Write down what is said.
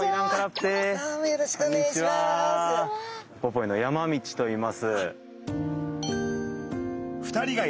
ウポポイの山道といいます。